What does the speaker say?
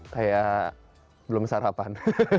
kayak belum sarapan